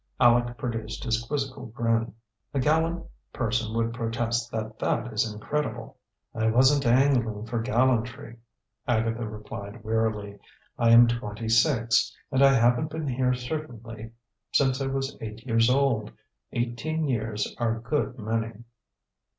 Aleck produced his quizzical grin. "A gallant person would protest that that is incredible." "I wasn't angling for gallantry," Agatha replied wearily. "I am twenty six, and I haven't been here certainly since I was eight years old. Eighteen years are a good many."